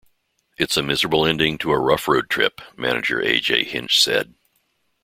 "It's a miserable ending to a rough road trip", manager A. J. Hinch said.